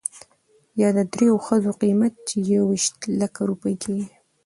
يا د درېو ښځو قيمت، چې يويشت لکه روپۍ کېږي .